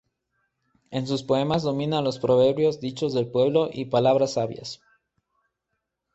En sus poemas dominan los proverbios, dichos del pueblo y palabras sabias.